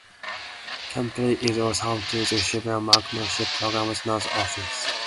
Camp Perry is also home to the Civilian Marksmanship Program's north office.